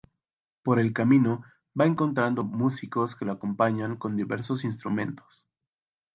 Por el camino va encontrando músicos que lo acompañan con diversos instrumentos.